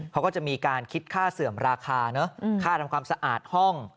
เขาก็จะมีการคิดค่าเสื่อมราคาเนอะค่าทำความสะอาดห้อง